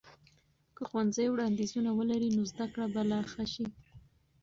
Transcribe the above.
که ښوونځي وړاندیزونه ولري، نو زده کړه به لا ښه سي.